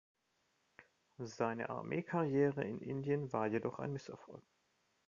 Seine Armeekarriere in Indien war jedoch ein Misserfolg.